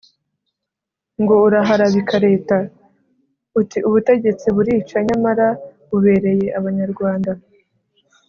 Ngo uraharabika Leta ?Uti «ubu butegetsi burica nyamara bubereye abanyarwanda»,